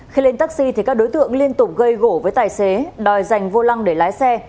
khi lên taxi thì các đối tượng liên tục gây gỗ với tài xế đòi dành vô lăng để lái xe